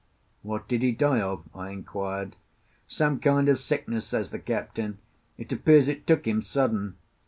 "What did he die of?" I inquired. "Some kind of sickness," says the captain. "It appears it took him sudden.